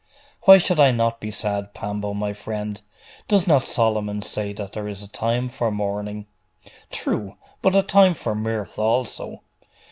'Why should I not be sad, Pambo, my friend? Does not Solomon say that there is a time for mourning?' 'True: but a time for mirth also.